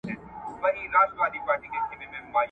خو هستي یې نه درلوده ډېر نېسمتن وه ..